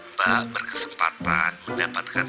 mbak berkesempatan mendapatkan